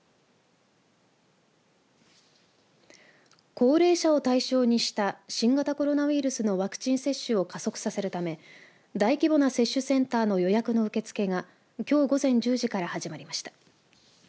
高齢者を対象にした新型コロナウイルスのワクチン接種を加速させるため大規模な接種センターの予約の受け付けがきょう、午前１０時から始まりました。